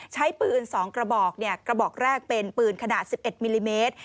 ใช้ปืน๒กระบอกกระบอกแรกเป็นปืนขนาด๑๑มิลลิเมตร